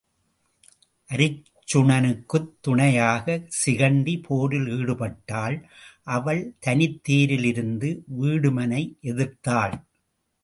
அருச்சுனக்குத் துணையாகச் சிகண்டி போரில் ஈடுபட்டாள் அவள் தனித்தேரில் இருந்து வீடுமனை எதிர்த்தாள்.